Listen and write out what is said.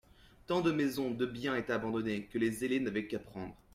Tant de maisons, de biens, étaient abandonnés, que les zélés n'avaient qu'à prendre.